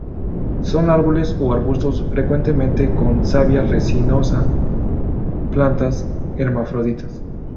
Son árboles o arbustos, frecuentemente con savia resinosa; plantas hermafroditas.